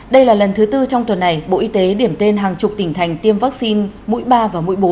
đây là lần thứ tư trong tuần này bộ y tế điểm tên hàng chục tỉnh thành tiêm vaccine mũi ba và mũi bú